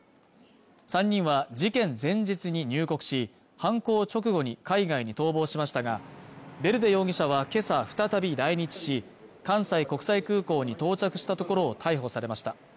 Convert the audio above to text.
３人は事件前日に入国し犯行直後に海外に逃亡しましたがヴェルデ容疑者はけさ再び来日し関西国際空港に到着したところ逮捕されました